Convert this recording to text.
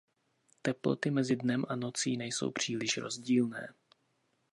Teploty mezi dnem a nocí nejsou příliš rozdílné.